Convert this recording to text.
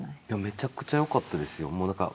めちゃくちゃよかったですよ。